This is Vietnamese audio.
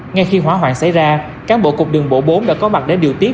ngay khi hỏa hoạn xảy ra cán bộ cục đường bộ bốn đã có mặt để điều tiết